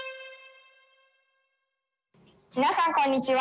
皆さんこんにちは。